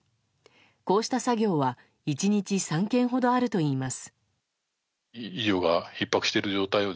こうした作業は１日３件ほどあるといいます。